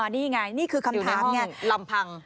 อ๋อนี่ไงนี่คือคำถามอยู่ในห้องลำพัง